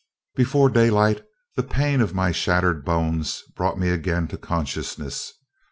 Before daylight, the pain of my shattered bones brought me again to consciousness.